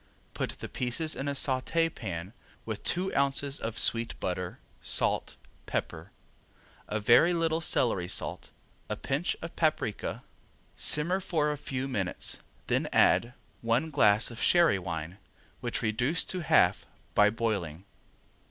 Put the pieces in a saute pan with two ounces of sweet butter, salt, pepper, a very little celery salt, a pinch of paprika. Simmer for a few minutes and then add one glass of sherry wine, which reduce to half by boiling.